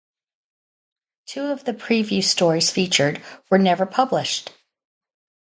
Two of the preview stories featured were never published.